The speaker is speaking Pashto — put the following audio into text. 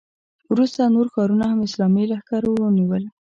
وروسته نور ښارونه هم اسلامي لښکرو ونیول.